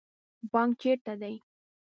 بانک چیرته دی؟